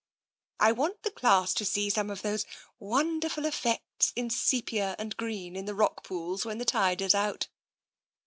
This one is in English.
I want the class to see some of those wonderful effects in sepia and green in the rock pools when the tide is out."